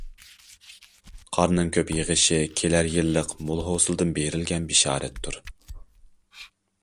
قارنىڭ كۆپ يېغىشى كېلەر يىللىق مول- ھوسۇلدىن بېرىلگەن بېشارەتتۇر.